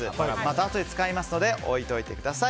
あとで使いますので置いておいてください。